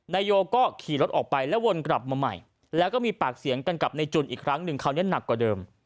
นายโยก็ขี่รถออกไปแล้ววนกลับมาใหม่แล้วก็มีปากเสียงกันกับนายจุนอีกครั้งหนึ่งคราวนี้หนักกว่าเดิม